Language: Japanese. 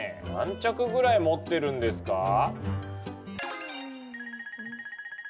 何着ぐらい持ってるんですか？